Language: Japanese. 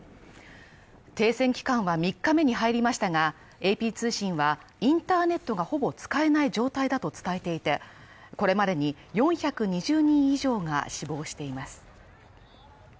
停戦期間は３日目に入りましたが、ＡＰ通信はインターネットがほぼ使えない状態だと伝えていて、これまでに４２０人以上が死亡しています。